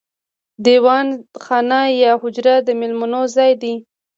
دیوان خانه یا حجره د میلمنو ځای دی.